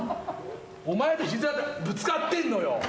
お前の膝ぶつかってんのよ。